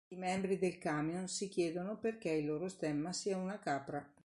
I membri del camion si chiedono perché il loro stemma sia una capra.